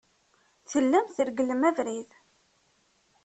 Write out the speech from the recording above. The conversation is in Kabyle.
Tellam tregglem abrid.